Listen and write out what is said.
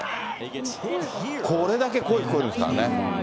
これだけ声聞こえるんですからね。